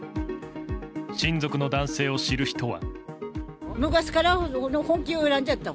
親族の男性を知る人は。